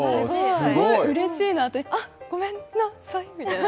うれしいのと、あ、ごめんなさいみたいな。